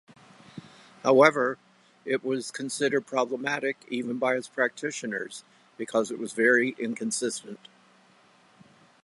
However, it was considered problematic, even by its practitioners, because it was very inconsistent.